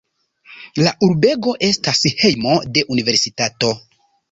La urbego estas hejmo de universitato.